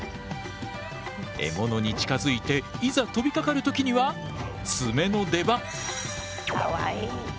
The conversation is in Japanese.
獲物に近づいていざ飛びかかる時には爪の出番。